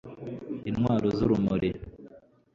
intwaro z'urumuri